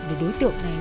để đối tượng này